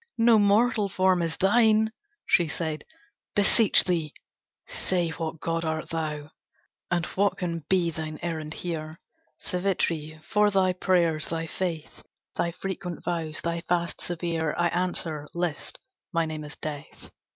"No mortal form is thine," she said, "Beseech thee say what god art thou? And what can be thine errand here?" "Savitri, for thy prayers, thy faith, Thy frequent vows, thy fasts severe, I answer, list, my name is Death.